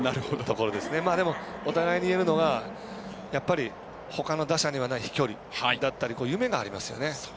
ただ、お互いに言えるのはやっぱりほかの打者にはない飛距離だったり夢がありますよね。